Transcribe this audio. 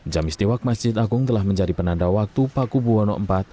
jam istiwa masjid agung telah menjadi penanda waktu paku buwono iv